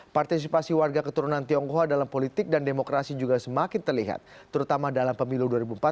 partisipasi warga keturunan tionghoa dalam politik dan demokrasi juga semakin terlihat terutama dalam pemilu dua ribu empat belas